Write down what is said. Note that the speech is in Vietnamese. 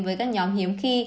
với các nhóm hiếm khi